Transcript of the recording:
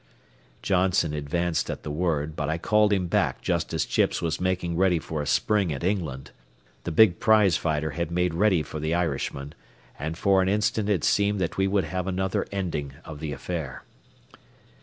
Johnson advanced at the word, but I called him back just as Chips was making ready for a spring at England. The big prize fighter had made ready for the Irishman, and for an instant it seemed that we would have another ending of the affair.